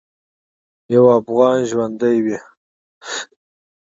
یو افغان ژوندی وي.